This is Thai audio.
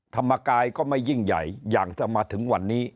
ธรรมกายก็ไม่ยิ่งใหญ่อย่างจะมาถึงวันนี้